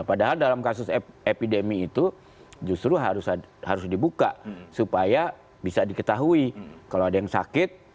padahal dalam kasus epidemi itu justru harus dibuka supaya bisa diketahui kalau ada yang sakit